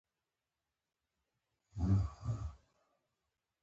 خپرونې یې دیني ټولنیزې او ښوونیزې دي.